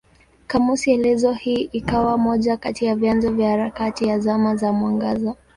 Kamusi elezo hii ikawa moja kati ya vyanzo vya harakati ya Zama za Mwangaza.